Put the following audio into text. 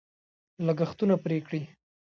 لګښتونه پرې کړي.